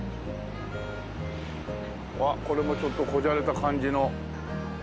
うわっこれもちょっと小じゃれた感じの。